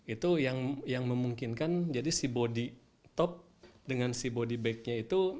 itu yang memungkinkan jadi si bodi top dengan si bodi bagnya itu